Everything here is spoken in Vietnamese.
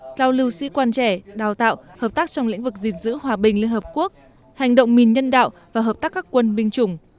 giao lưu sĩ quan trẻ đào tạo hợp tác trong lĩnh vực gìn giữ hòa bình liên hợp quốc hành động mình nhân đạo và hợp tác các quân binh chủng